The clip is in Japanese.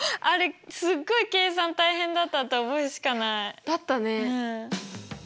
あれすっごい計算大変だったって覚えしかない！だったね。